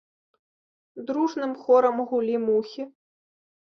Дружным хорам гулі мухі.